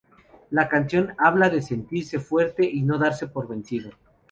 La canción habla de sentirse fuerte, y no darse por vencido.